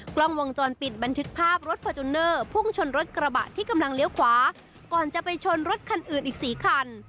กล้องวงจรปิดบันทึกภาพรถฟอร์จูเนอร์พุ่งชนรถกระบะที่กำลังเลี้ยวขวาก่อนจะไปชนรถคันอื่นอีกสี่คัน